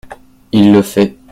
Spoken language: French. Il le fait.